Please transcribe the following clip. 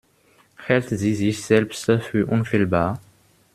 Hält sie sich selbst für unfehlbar?